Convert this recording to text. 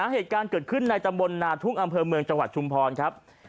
เหตุการณ์เกิดขึ้นในตำบลนาทุ่งอำเภอเมืองจังหวัดชุมพรครับ